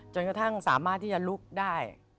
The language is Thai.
จนกระทั่งสามารถที่จะลุกได้